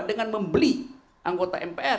dengan membeli anggota mpr